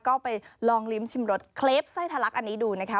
ก็ไปลองลิ้มชิมรสเคลปไส้ทะลักอันนี้ดูนะคะ